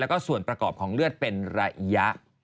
แล้วก็ส่วนประกอบของเลือดเป็นระยะ